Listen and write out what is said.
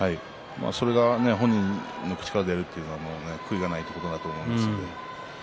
それが本人の口から出るというのは悔いがないことだと思います。